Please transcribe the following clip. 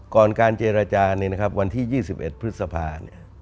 ก่อนการเจรจานี้นะครับวันที่๒๑พฤษภาเนี่ย